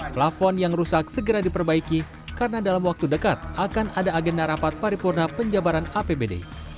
plafon yang rusak segera diperbaiki karena dalam waktu dekat akan ada agenda rapat paripurna penjabaran apbd